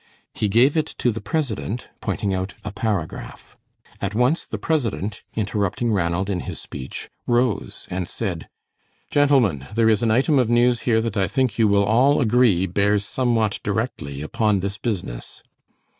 He gave it to the president, pointing out a paragraph. At once the president, interrupting Ranald in his speech, rose and said, "Gentlemen, there is an item of news here that I think you will all agree bears somewhat directly upon this business."